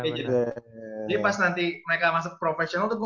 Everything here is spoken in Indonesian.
jadi pas nanti mereka masuk professional tuh